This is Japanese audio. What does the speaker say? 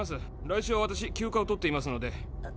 来週は私休暇を取っていますので。